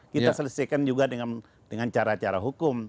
kita selesaikan juga dengan cara cara hukum